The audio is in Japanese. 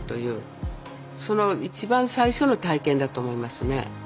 その一番最初の体験だと思いますね。